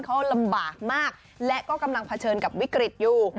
เขาลำบากมากและก็กำลังเผชิญกับวิกฤตอยู่